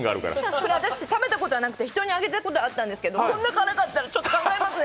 これ私、食べたことがなくて人にあげたことがあるんですけど、こんな辛かったらちょっと考えますね。